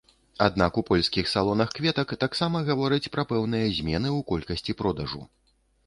Аднак у польскіх салонах кветак таксама гавораць пра пэўныя змены ў колькасці продажу.